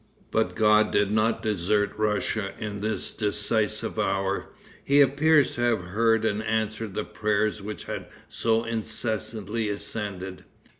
But God did not desert Russia in this decisive hour. He appears to have heard and answered the prayers which had so incessantly ascended.